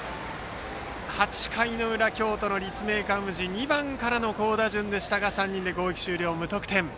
８回の裏、京都の立命館宇治２番からの好打順でしたが３人で攻撃終了、無得点。